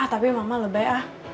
tapi mama lebih ah